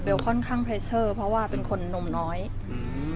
ค่อนข้างเพรเซอร์เพราะว่าเป็นคนหนุ่มน้อยอืม